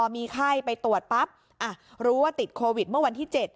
มีไข้ไปตรวจปั๊บรู้ว่าติดโควิดเมื่อวันที่๗